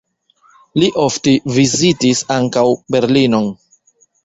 Li ofte vizitis ankaŭ Berlinon.